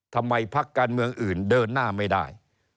พักการเมืองอื่นเดินหน้าไม่ได้